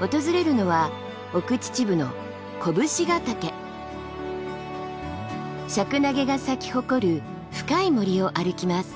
訪れるのは奥秩父のシャクナゲが咲き誇る深い森を歩きます。